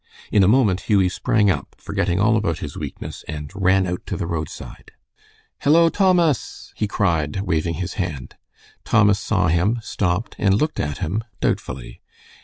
In a moment Hughie sprang up, forgetting all about his weakness, and ran out to the roadside. "Hello, Thomas!" he cried, waving his hand. Thomas saw him, stopped, and looked at him, doubtfully.